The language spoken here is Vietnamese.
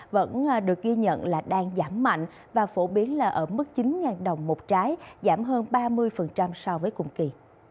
vẫn được ghi nhận là đang giảm mạnh và phổ biến là ở mức chín đồng một trái giảm hơn ba mươi so với cùng kỳ